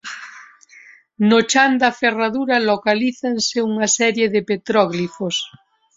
No Chan da Ferradura localízanse unha serie de petróglifos.